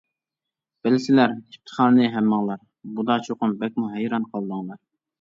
بىلىسىلەر ئىپتىخارنى ھەممىڭلار، بۇدا چوقۇم بەكمۇ ھەيران قالدىڭلار.